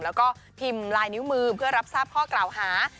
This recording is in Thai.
แล้วก็พิมพ์ลายนิ้วมือเพื่อรับทราบข้อกล่าวหา